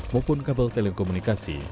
maupun kabel telekomunikasi